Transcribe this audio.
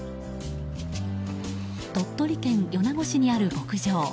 鳥取県米子市にある牧場。